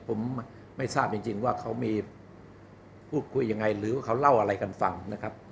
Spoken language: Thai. ผมไม่ทราบจริงว่าเขามีพูดคุยยังไงหรือว่าเขาเล่าอะไรกันฟังนะครับ